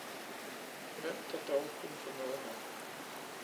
Hvem der dog kunne få noget med!